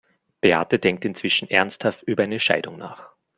Beate denkt inzwischen ernsthaft über eine Scheidung nach.